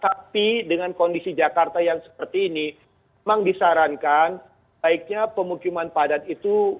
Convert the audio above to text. tapi dengan kondisi jakarta yang seperti ini memang disarankan baiknya pemukiman padat itu